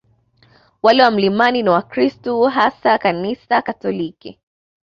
Wale wa milimani ni Wakristo hasa wa Kanisa Katoliki